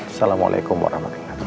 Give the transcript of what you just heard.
assalamualaikum warahmatullahi wabarakatuh